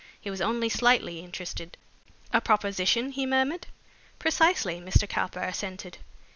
He was only slightly interested. "A proposition?" he murmured. "Precisely," Mr. Cowper assented.